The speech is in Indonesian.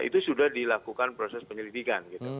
itu sudah dilakukan proses penyelidikan